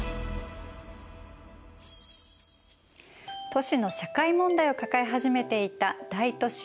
都市の社会問題を抱え始めていた大都市